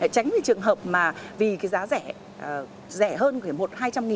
tránh trường hợp mà vì giá rẻ hơn một hai trăm linh nghìn